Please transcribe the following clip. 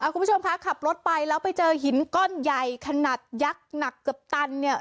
คุณผู้ชมคะขับรถไปแล้วไปเจอหินก้อนใหญ่ขนาดยักษ์หนักเกือบตันเนี่ย